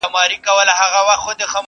زغره د همت په تن او هیلي یې لښکري دي,